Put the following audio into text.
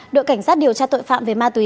đội cảnh sát điều tra tội phạm về ma túy